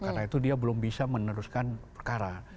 karena itu dia belum bisa meneruskan perkara